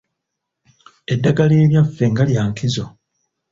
Eddagala eryaffe nga lya nkizo.